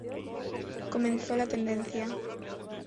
Comenzó la tendencia.